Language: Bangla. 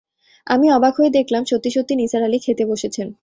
আমি অবাক হয়ে দেখলাম সত্যি-সত্যি নিসার আলি খেতে বসেছেন।